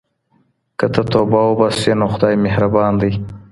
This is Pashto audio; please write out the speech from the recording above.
که ته توبه وباسې نو خدای مهربان دی.